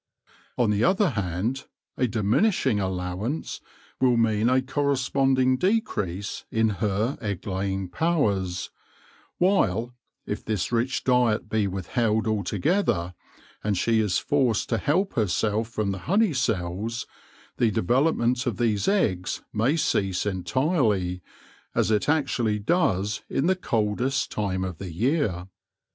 On the other hand, a diminishing allowance will mean a corre sponding decrease in her egg laying powers; while, if this rich diet be withheld altogether, and she is forced to help herself from the honey cells, the de velopment of these eggs may cease entirely, as it actually does in the coldest time of the year.